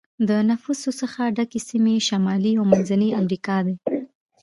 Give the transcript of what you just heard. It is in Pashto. د نفوسو څخه ډکې سیمې شمالي او منځنی امریکا دي.